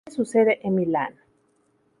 Tiene su sede en Milán.